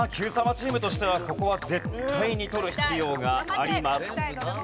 チームとしてはここは絶対に取る必要があります。